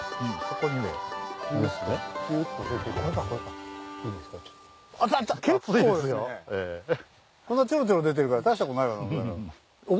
こんなチョロチョロ出てるから大したことないかと思ったら。